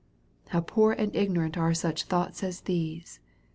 How poor and ignorant are such thoughts as these.